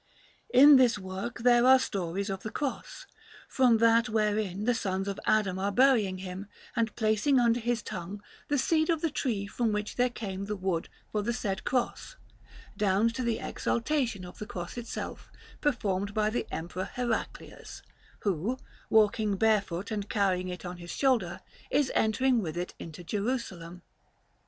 In this work there are Stories of the Cross, from that wherein the sons of Adam are burying him and placing under his tongue the seed of the tree from which there came the wood for the said Cross, down to the Exaltation of the Cross itself performed by the Emperor Heraclius, who, walking barefoot and carrying it on his shoulder, is entering with it into Jerusalem.